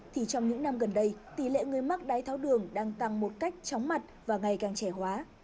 thì trong những năm gần đây tỷ lệ người mắc đái tháo đường đang tăng một cách chóng mặt và ngày càng trẻ hóa